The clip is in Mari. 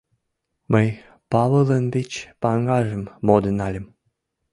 Мый Павылын вич паҥгажым модын нальым.